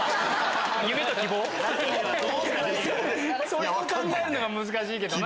それを考えるのが難しいけどな。